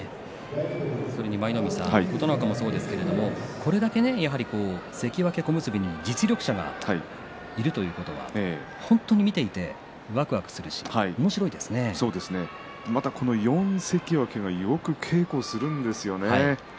舞の海さん琴ノ若もそうですがこれだけ関脇、小結に実力者がいるということは本当に見ていてわくわくするし４関脇がよく稽古するんですよね。